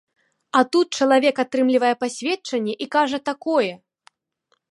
А тут чалавек атрымлівае пасведчанне і кажа такое!